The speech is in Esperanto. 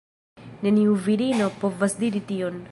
Neniu virino povas diri tion